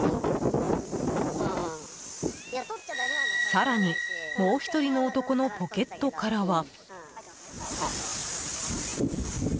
更に、もう１人の男のポケットからは。